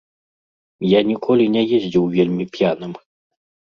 Я ніколі не ездзіў вельмі п'яным.